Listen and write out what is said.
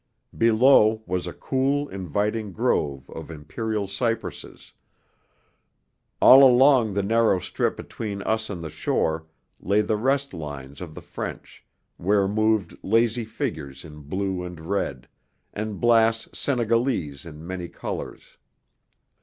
Below was a cool, inviting grove of imperial cypresses; all along the narrow strip between us and the shore lay the rest lines of the French, where moved lazy figures in blue and red, and black Senegalese in many colours.